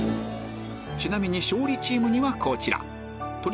ちなみに勝利チームにはこちらなんと。